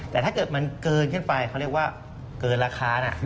แต่ถ้าเกิดมันเกินขึ้นไปเขาเรียกว่าเกินราคานะ